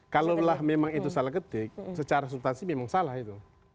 kalau memang itu salah ketik secara substansi memang salah itu